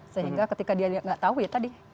sehingga ketika dia nggak tahu ya tadi